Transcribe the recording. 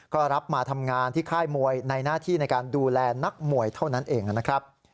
ก็รับมาทำงานที่ค่ายมวยในหน้าที่ในการดูแลนักมวยเท่านั้นเองนะครับ